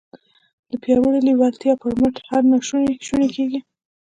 د پياوړې لېوالتیا پر مټ هر ناشونی شونی کېږي.